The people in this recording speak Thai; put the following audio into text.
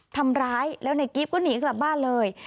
ทำร้ายแล้วในกิฟต์ก็หนีกลับบ้านเลย